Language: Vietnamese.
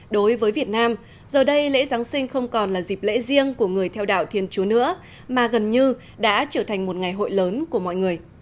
đối với việt nam giờ đây lễ giáng sinh không còn là dịp lễ riêng của người theo đạo thiên chúa nữa mà gần như đã trở thành một ngày hội lớn của mọi người